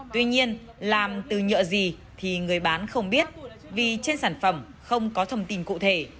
tuy nhiên làm từ nhựa gì thì người bán không biết vì trên sản phẩm không có thông tin cụ thể